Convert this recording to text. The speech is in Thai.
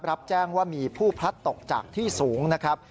รับแจ้งว่ามีผู้พลัดตกจากที่สูงนะครับ